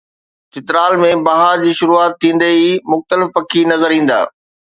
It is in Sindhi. چترال ۾ بهار جي شروعات ٿيندي ئي مختلف پکي نظر ايندا